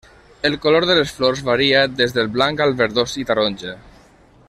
El color de les flors varia des del blanc al verdós i taronja.